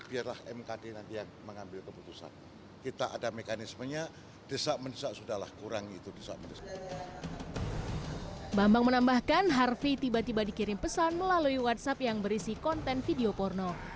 bambang menambahkan harvey tiba tiba dikirim pesan melalui whatsapp yang berisi konten video porno